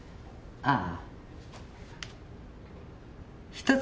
ああ